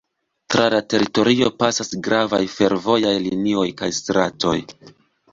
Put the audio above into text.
Tra la teritorio pasas gravaj fervojaj linioj kaj stratoj.